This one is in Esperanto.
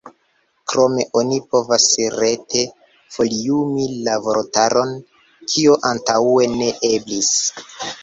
Krome oni povas rete foliumi la vortaron, kio antaŭe ne eblis.